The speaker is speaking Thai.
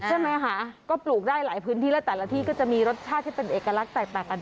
ใช่ไหมคะก็ปลูกได้หลายพื้นที่แล้วแต่ละที่ก็จะมีรสชาติที่เป็นเอกลักษณ์แตกต่างกันไป